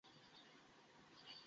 মেহতার phone, একে একটু দেখ।